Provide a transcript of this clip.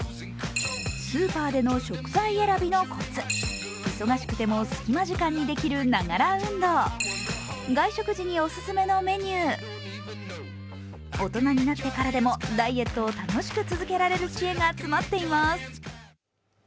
スーパーでの食材選びのコツ、忙しくても隙間時間にできるながら運動、外食時にオススメのメニュー、大人になってからでもダイエットを楽しく続けられる知恵が詰まっています。